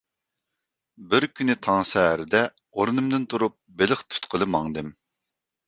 بىر كۈنى تاڭ سەھەردە ئورنۇمدىن تۇرۇپ بېلىق تۇتقىلى ماڭدىم.